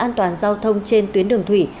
hoàn toàn giao thông trên tuyến đường thủy